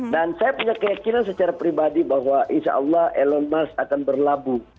dan saya punya keyakinan secara pribadi bahwa insya allah elon musk akan berlabuh